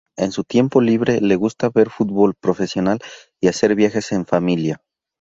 En su tiempo libre, le gusta ver fútbol profesional y hacer viajes en familia.